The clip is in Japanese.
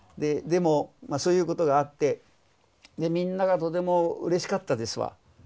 でもそういうことがあってみんながとてもうれしかったですわ。